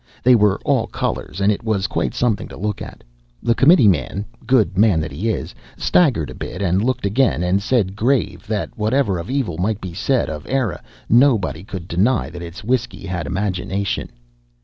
They were all colors and it was quite somethin' to look at. The committeeman good man that he is! staggered a bit and looked again and said grave that whatever of evil might be said of Eire, nobody could deny that its whisky had imagination!"